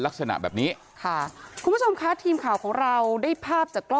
ลักษณะแบบนี้ค่ะคุณผู้ชมค่ะทีมข่าวของเราได้ภาพจากกล้อง